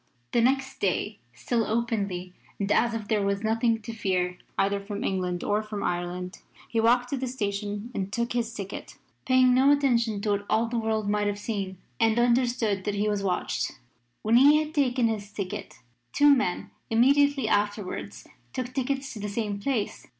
The next day, still openly and as if there was nothing to fear, either from England or from Ireland, he walked to the station and took his ticket, paying no attention to what all the world might have seen and understood that he was watched. When he had taken his ticket two men immediately afterwards took tickets to the same place.